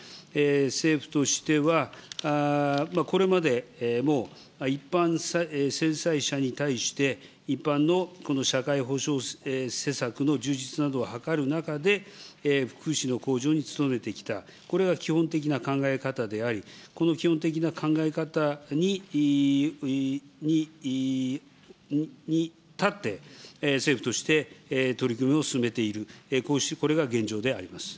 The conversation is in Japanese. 政府としては、これまでも一般戦災者に対して、一般の社会保障施策の充実などを図る中で、福祉の向上に努めてきた、これは基本的な考え方であり、この基本的な考え方にたって、政府として取り組みを進めている、これが現状であります。